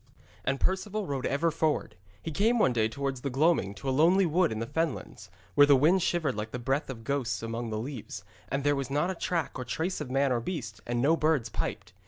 And Perceval rode ever forward. He came one day towards the gloaming to a lonely wood in the fenlands, where the wind shivered like the breath of ghosts among the leaves, and there was not a track or trace of man or beast, and no birds piped.